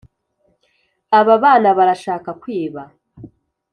ababana barashaka kwiba